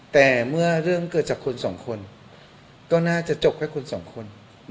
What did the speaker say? แต่เมื่อเรื่องเกิดจากคุณสองคนก็น่าจะจบแค่คุณสองคน